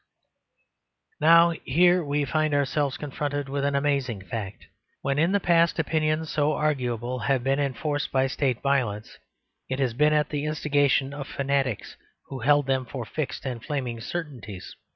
Now here we find ourselves confronted with an amazing fact. When, in the past, opinions so arguable have been enforced by State violence, it has been at the instigation of fanatics who held them for fixed and flaming certainties.